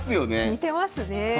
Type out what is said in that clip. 似てますね。